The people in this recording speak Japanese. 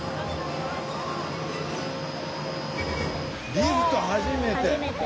リフト初めて？